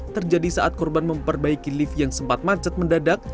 terjadi saat korban memperbaiki lift yang sempat macet mendadak